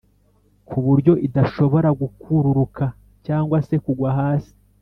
kuburyo idashobora gukururuka cg se kugwa hasi